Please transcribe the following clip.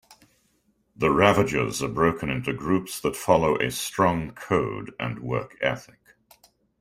The Ravagers are broken into groups that follow a strong code and work ethic.